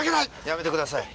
やめてください。